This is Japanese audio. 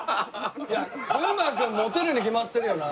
いや風磨君モテるに決まってるよな。